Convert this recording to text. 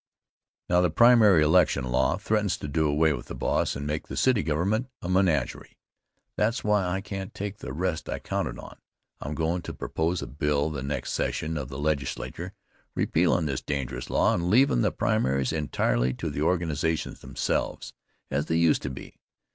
Now, the primary election law threatens to do away with the boss and make the city government a menagerie. That's why I can't take the rest I counted on. I'm goin' to propose a bill for the next session of the legislature repealin' this dangerous law, and leavin' the primaries entirely to the organizations themselves, as they used to be.